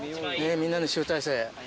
みんなの集大成。